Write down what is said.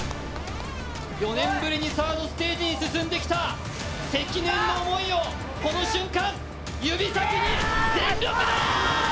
４年ぶりにサードステージに進んできた積年の思いをこの瞬間指先に、全力だー。